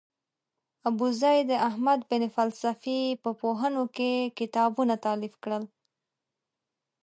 ابوزید احمد بن فلسفي په پوهنو کې کتابونه تالیف کړل.